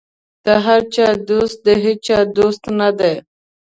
د هر چا دوست د هېچا دوست نه دی.